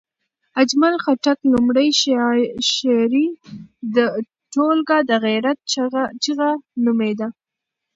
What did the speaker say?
اجمل خټک لومړۍ شعري ټولګه د غیرت چغه نومېده.